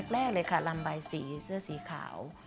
แรกเลยค่ะลำใบสีเสื้อสีขาว